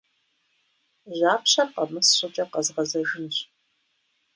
Жьапщэр къэмыс щӀыкӀэ къэзгъэзэжынщ.